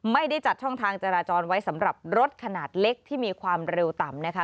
ไม่ได้จัดช่องทางจราจรไว้สำหรับรถขนาดเล็กที่มีความเร็วต่ำนะคะ